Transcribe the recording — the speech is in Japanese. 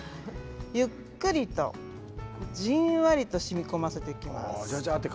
ゆっくりとじんわりとしみこませていきます。